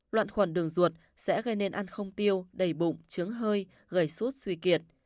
loạn khuẩn đường ruột sẽ gây nên ăn không tiêu đầy bụng chướng hơi gầy sút suy kiệt